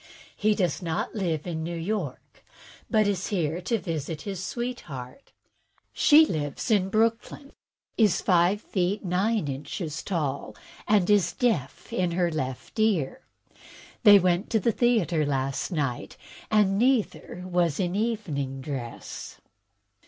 He does not live in New York, but is here to visit his sweetheart. She lives in Brooklyn, is five feet nine inches tall, and is deaf in her left ear. They went to the theatre last night, and neither was in evening dress."